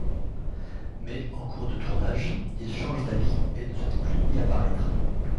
Mais en cours de tournage il change d'avis et ne souhaite plus y apparaître.